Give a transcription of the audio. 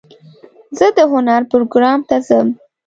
زه د هنر پروګرام ته ځم.